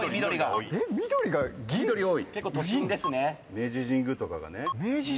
明治神宮とかがね。